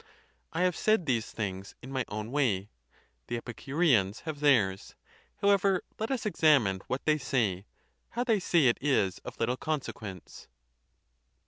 I have said these things in my own way; the Epicureans have theirs. How ever, let us examine what they say; how they say it is of little consequence.